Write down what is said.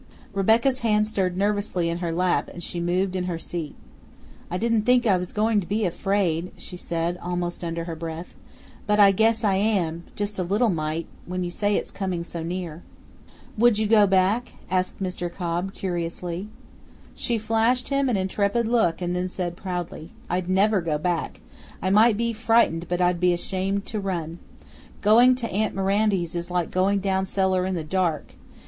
Rebecca's hand stirred nervously in her lap and she moved in her seat. "I didn't think I was going to be afraid," she said almost under her breath; "but I guess I am, just a little mite when you say it's coming so near." "Would you go back?" asked Mr. Cobb curiously. She flashed him an intrepid look and then said proudly, "I'd never go back I might be frightened, but I'd be ashamed to run. Going to aunt Mirandy's is like going down cellar in the dark.